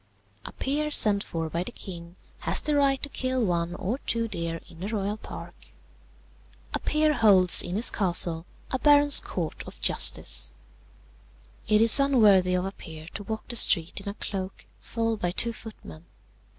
"A peer sent for by the king has the right to kill one or two deer in the royal park. "A peer holds in his castle a baron's court of justice. "It is unworthy of a peer to walk the street in a cloak, followed by two footmen.